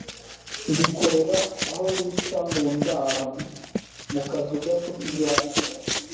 mbikorera aho bita mu ndaro, mu kazu gato k’ibyatsi ,